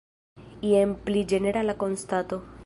Jen pli ĝenerala konstato.